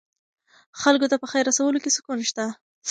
خلکو ته په خیر رسولو کې سکون شته.